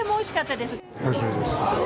おいしいです。